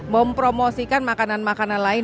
mempromosikan makanan makanan lain